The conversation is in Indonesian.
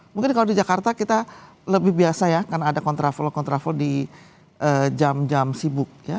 mungkin kalau di jakarta kita lebih biasa ya karena ada kontraflow kontraflow di jam jam sibuk ya